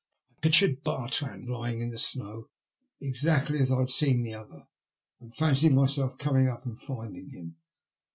I pictured Bartrand lying in the snow exactly as I had seen the other, and fancied myself coming up and finding him.